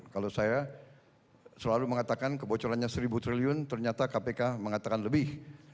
kalau saya selalu mengatakan kebocorannya rp satu triliun ternyata kpk mengatakan lebih